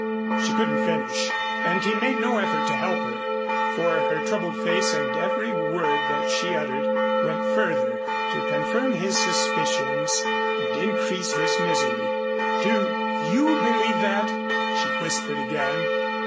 she couldn't finish, and he made no effort to help her, for her troubled face and every word that she uttered went further to confirm his suspicions and increase his misery. "Do you believe that?" she whispered again.